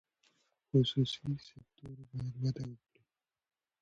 خصوصي سکتور باید وده وکړي.